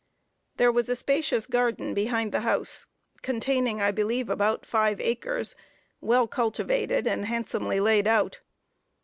There was a spacious garden behind the house, containing, I believe, about five acres, well cultivated, and handsomely laid out.